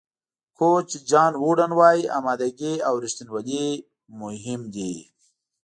کوچ جان ووډن وایي آمادګي او رښتینولي مهم دي.